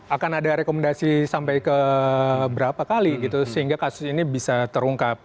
akan ada rekomendasi sampai ke berapa kali gitu sehingga kasus ini bisa terungkap